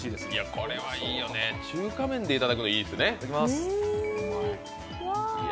これはいいよね、中華麺で頂くのいいですね。